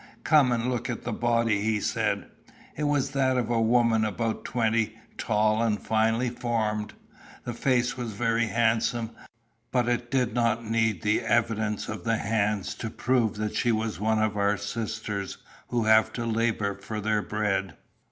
"Come and look at the body," he said. It was that of a woman about twenty, tall, and finely formed. The face was very handsome, but it did not need the evidence of the hands to prove that she was one of our sisters who have to labour for their bread.